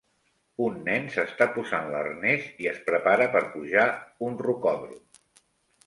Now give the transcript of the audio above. Un nen s'està posant l'arnés i es prepara per pujar un rocòdrom.